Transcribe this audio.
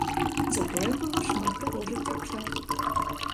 Затое было шмат прыгожых дзяўчат.